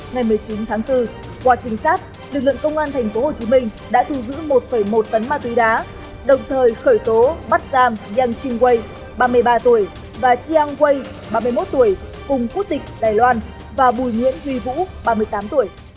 ngày một mươi chín tháng bốn qua trình sát lực lượng công an thành phố hồ chí minh đã thu giữ một một tấn ma túy đá đồng thời khởi tố bắt giam yang qingwei ba mươi ba tuổi và chiang wei ba mươi một tuổi cùng quốc tịch đài loan và bùi nguyễn huy vũ ba mươi tám tuổi